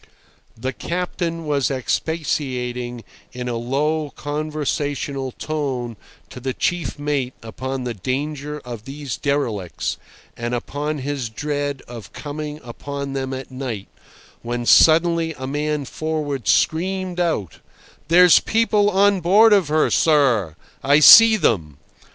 The captain was expatiating in a low conversational tone to the chief mate upon the danger of these derelicts, and upon his dread of coming upon them at night, when suddenly a man forward screamed out, "There's people on board of her, sir! I see them!"